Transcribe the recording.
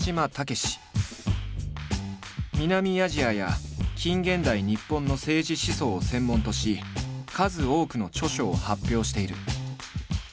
南アジアや近現代日本の政治思想を専門とし数多くの著書を発表している。